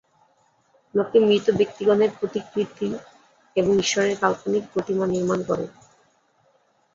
লোকে মৃত ব্যক্তিগণের প্রতিকৃতি এবং ঈশ্বরের কাল্পনিক প্রতিমা নির্মাণ করে।